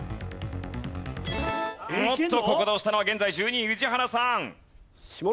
おっとここで押したのは現在１２位宇治原さん。